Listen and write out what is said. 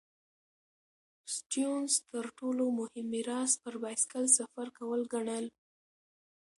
سټيونز تر ټولو مهم میراث پر بایسکل سفر کول ګڼل.